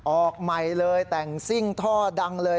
ออกใหม่เลยแต่งซิ่งท่อดังเลย